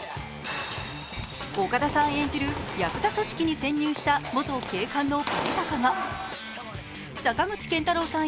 岡田産演じるヤクザ組織に潜入した元警官の兼高が坂口健太郎さん